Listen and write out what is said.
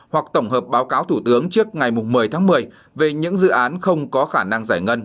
hoặc tổng hợp báo cáo thủ tướng trước ngày một mươi tháng một mươi về những dự án không có khả năng giải ngân